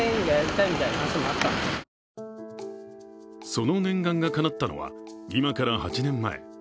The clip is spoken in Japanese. その念願がかなったのは今から８年前。